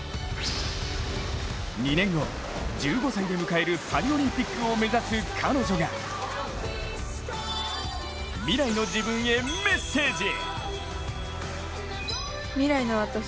２年後、１５歳で迎えるパリオリンピックを目指す彼女が未来の自分へメッセージ。